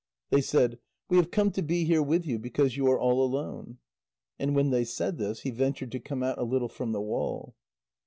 They said: "We have come to be here with you because you are all alone." And when they said this, he ventured to come out a little from the wall.